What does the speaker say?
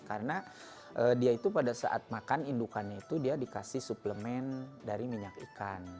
karena dia itu pada saat makan indukan itu dia dikasih suplemen dari minyak ikan